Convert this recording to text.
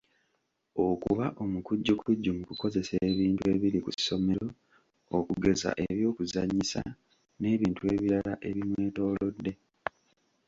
Okuba omukujjukujju mu kukozesa ebintu ebiri ku ssomero okugeza ebyokuzannyisa n’ebintu ebirala ebimwetoolodde.